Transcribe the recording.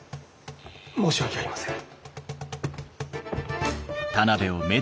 申し訳ありません。